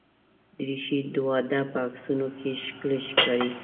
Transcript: دریشي د واده په عکسونو کې ښکلي ښکاري.